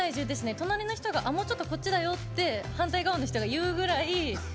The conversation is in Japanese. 隣の人が、もうちょっとこっちだよって言うぐらい。